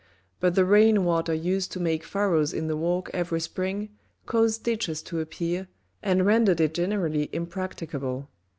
But the rain water used to make furrows in the walk every spring, caused ditches to appear, and rendered it generally impracticable.